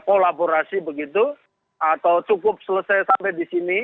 kolaborasi begitu atau cukup selesai sampai di sini